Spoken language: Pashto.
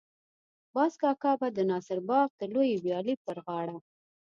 باز کاکا به د ناصر باغ د لویې ويالې پر غاړه.